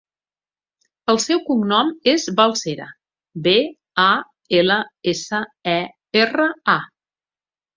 El seu cognom és Balsera: be, a, ela, essa, e, erra, a.